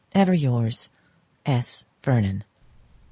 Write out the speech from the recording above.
Ever yours, S. VERNON.